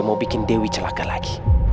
mau bikin dewi celaka lagi